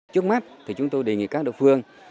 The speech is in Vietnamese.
trước mắt thì chúng tôi đề nghị các độc phương